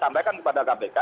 sampaikan kepada kpk